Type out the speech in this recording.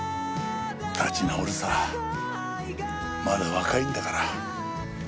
立ち直るさまだ若いんだから。